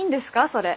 それ。